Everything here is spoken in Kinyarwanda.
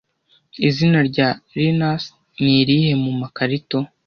Izina rya Linus ni irihe mu makarito